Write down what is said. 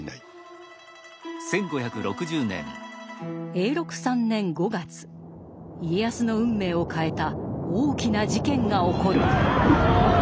永禄３年５月家康の運命を変えた大きな事件が起こる。